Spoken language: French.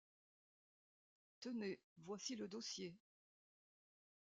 Tenez, voici le dossier.